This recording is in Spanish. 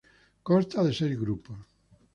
Consta de seis grupos.